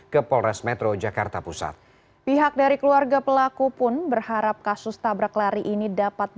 ke polres metro jakarta pusat pihak dari keluarga pelaku pun berharap kasus tabrak lari ini dapat